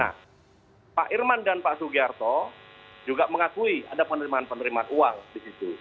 nah pak irman dan pak sugiarto juga mengakui ada penerimaan penerimaan uang di situ